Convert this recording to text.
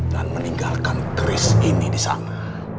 dan meninggalkan keris ini disana